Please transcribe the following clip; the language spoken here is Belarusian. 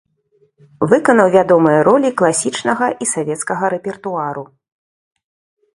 Выканаў вядомыя ролі класічнага і савецкага рэпертуару.